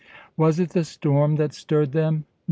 Was it the storm that stirred them?